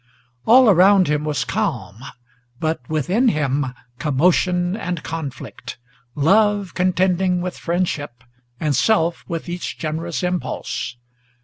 All around him was calm, but within him commotion and conflict, Love contending with friendship, and self with each generous impulse.